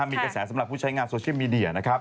มีกระแสสำหรับผู้ใช้งานโซเชียลมีเดียนะครับ